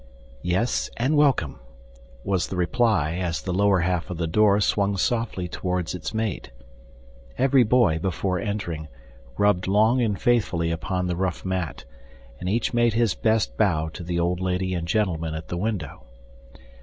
"Yes, and welcome" was the reply as the lower half of the door swung softly toward its mate. Every boy, before entering, rubbed long and faithfully upon the rough mat, and each made his best bow to the old lady and gentleman at the window.